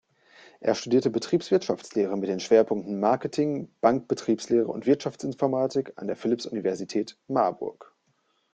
Er studierte Betriebswirtschaftslehre mit den Schwerpunkten Marketing, Bankbetriebslehre und Wirtschaftsinformatik an der Philipps-Universität Marburg.